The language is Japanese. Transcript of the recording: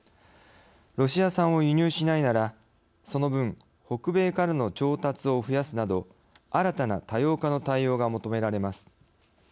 ロシア産を輸入しないならその分北米からの調達を増やすなど新たな多様化の対応が求められます。